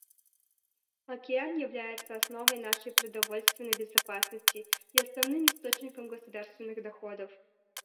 Океан является основой нашей продовольственной безопасности и основным источником государственных доходов.